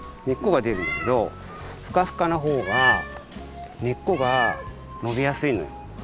根っこがでるんだけどふかふかなほうが根っこがのびやすいのよ。